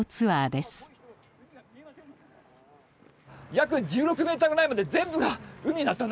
約１６メーターぐらいまで全部が海になったんだね。